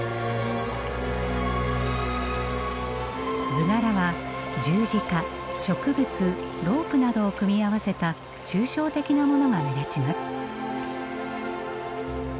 図柄は十字架植物ロープなどを組み合わせた抽象的なものが目立ちます。